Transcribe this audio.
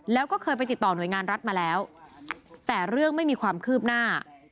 แล้วก็เคยไปติดต่อหน่วยงานรัฐมาแล้วแต่เรื่องไม่มีความคืบหน้า